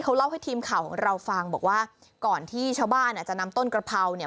เขาเล่าให้ทีมข่าวของเราฟังบอกว่าก่อนที่ชาวบ้านอ่ะจะนำต้นกระเพราเนี่ย